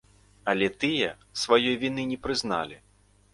Але тыя сваёй віны не прызналі.